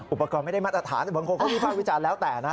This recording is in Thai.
อุปกรณ์ไม่ได้มาตรฐานแต่บางคนเขาวิภาควิจารณ์แล้วแต่นะ